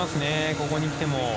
ここに来ても。